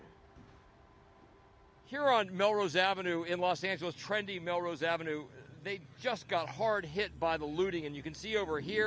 di melrose avenue di los angeles mereka terlalu terkenal dengan penjarahan